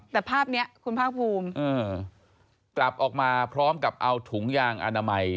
แต่ภาพนี้คุณภาคภูมิกลับออกมาพร้อมกับเอาถุงยางอนามัย